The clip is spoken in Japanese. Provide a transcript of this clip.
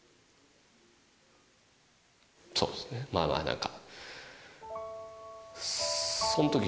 そうですねまぁまぁ何か。